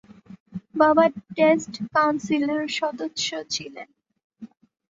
বাবা স্টেট কাউন্সিলের সদস্য ছিলেন।